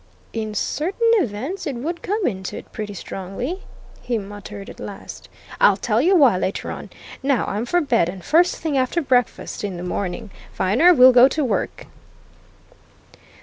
"In certain events, it would come into it pretty strongly!" he muttered at last. "I'll tell you why, later on. Now I'm for bed and first thing after breakfast, in the morning, Viner, we'll go to work."